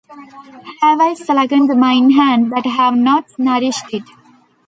Have I slackened mine hand, that I have not nourished it?